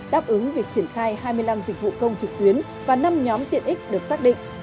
đáp ứng việc triển khai hai mươi năm dịch vụ công trực tuyến và năm nhóm tiện ích được xác định